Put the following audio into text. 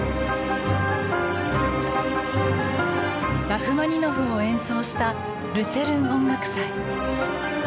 「ラフマニノフ」を演奏したルツェルン音楽祭。